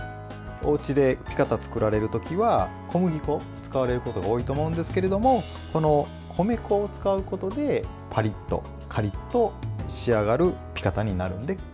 おうちでピカタを作られる時は小麦粉を使われることが多いと思うんですけれどもこの米粉を使うことでパリッとカリッと仕上がるピカタになるので。